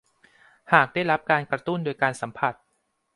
หากได้รับการกระตุ้นโดยการสัมผัส